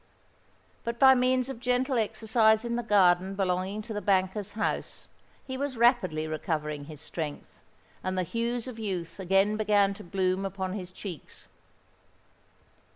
But by means of gentle exercise in the garden belonging to the banker's house, he was rapidly recovering his strength, and the hues of youth again began to bloom upon his cheeks.